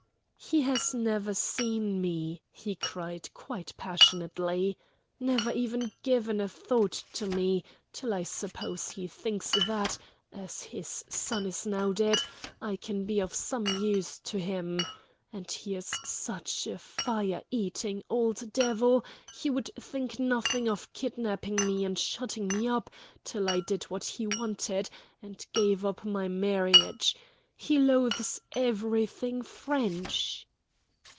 "He has never seen me," he cried quite passionately, "never even given a thought to me, till I suppose he thinks that, as his son is now dead, I can be of some use to him. And he is such a fire eating old devil he would think nothing of kidnapping me and shutting me up till I did what he wanted, and gave up my marriage. He loathes everything French."